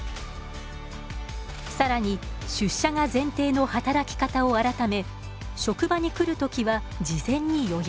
更に出社が前提の働き方を改め職場に来る時は事前に予約。